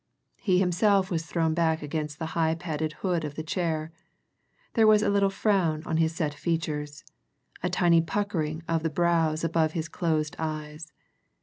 He himself was thrown back against the high padded hood of the chair; there was a little frown on his set features, a tiny puckering of the brows above his closed eyes.